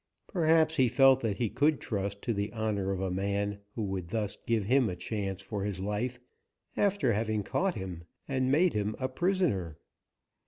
Perhaps he felt that he could trust to the honor of a man who would thus give him a chance for his life after having caught him and made him prisoner.